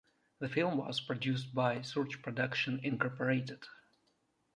The film was produced by Surge Productions Inc.